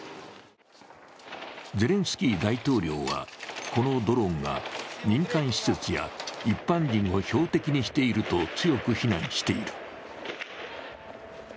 ゼレンスキー大統領はこのドローンが民間施設や一般人を標的にしていると強く非難している。